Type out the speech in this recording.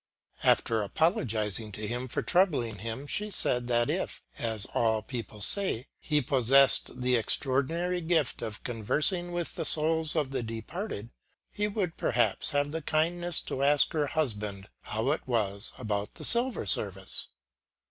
After apologizing to him for troubling him, she said that if, as all people say, he possessed the extraordinary gift of conversing with the souls of the departed, he would perhaps have the kindness to ask her husband how it was about the silver service.